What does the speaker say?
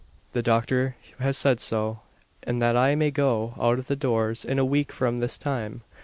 The doctor has said so; and that I may go out of doors in a week from this time.